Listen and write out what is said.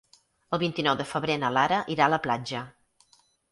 El vint-i-nou de febrer na Lara irà a la platja.